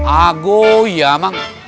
agoi ya emang